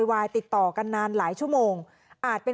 เผื่อ